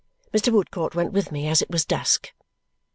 Mr. Woodcourt went with me, as it was dusk.